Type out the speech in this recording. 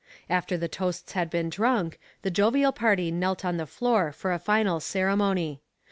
After the toasts had been drunk, the jovial party knelt on the floor for a final ceremony.